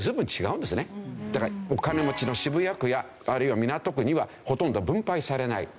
だからお金持ちの渋谷区やあるいは港区にはほとんど分配されない。